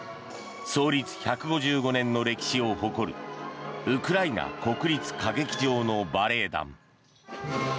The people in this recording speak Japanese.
創立１５５年の歴史を誇るウクライナ国立歌劇場のバレエ団。